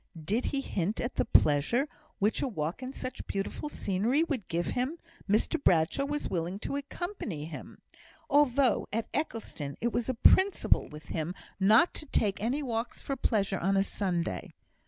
Did he hint at the pleasure which a walk in such beautiful scenery would give him, Mr Bradshaw was willing to accompany him, although at Eccleston it was a principle with him not to take any walks for pleasure on a Sunday.